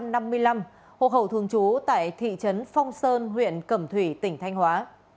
năm một nghìn chín trăm năm mươi năm hộ khẩu thường trú tại thị trấn phong sơn huyện cầm thủy tỉnh thanh hóa